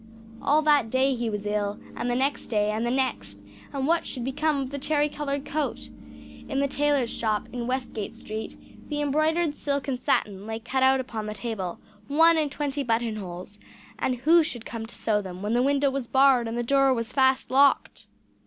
All that day he was ill, and the next day, and the next; and what should become of the cherry coloured coat? In the tailor's shop in Westgate Street the embroidered silk and satin lay cut out upon the table one and twenty button holes and who should come to sew them, when the window was barred, and the door was fast locked?